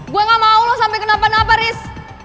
gue gak mau lo sampe kena apa apa riz